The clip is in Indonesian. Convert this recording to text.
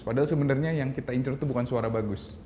padahal sebenarnya yang kita incer itu bukan suara bagus